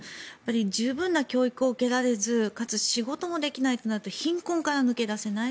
十分な教育を受けられずなおかつ仕事もできないとなると貧困から抜け出せない。